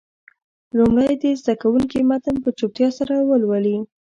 لومړی دې زده کوونکي متن په چوپتیا سره ولولي.